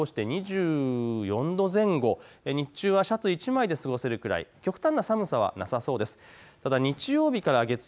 そして最高気温も３日間を通して２４度前後、日中はシャツ１枚で過ごせるくらい、極端な寒さはなさそうです。